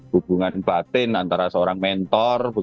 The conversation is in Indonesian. hubungan batin antara seorang mentor